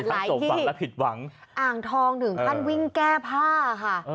หลายที่อ่างทองถึงท่านวิ่งแก้ผ้าค่ะ